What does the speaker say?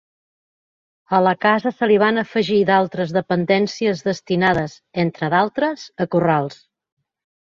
A la casa se li van afegir d'altres dependències destinades, entre d'altres, a corrals.